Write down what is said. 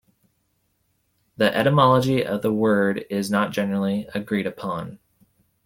The etymology of the word is not generally agreed upon.